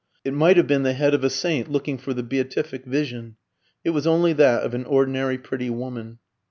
It might have been the head of a saint looking for the Beatific Vision; it was only that of an ordinary pretty woman.